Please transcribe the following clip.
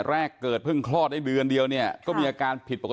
แรกเกิดเพิ่งคลอดได้เดือนเดียวเนี่ยก็มีอาการผิดปกติ